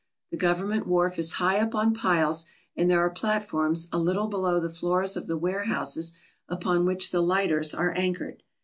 The govern ment wharf is high up on piles, and there are platforms a little below the floors of the warehouses upon which the lighters are anchored.